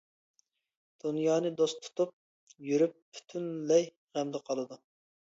دۇنيانى دوست تۇتۇپ يۈرۈپ پۈتۈنلەي غەمدە قالىدۇ.